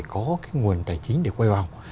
có cái nguồn tài chính để quay vòng